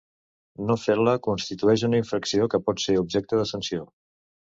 No fer-la constitueix una infracció que pot ser objecte de sanció.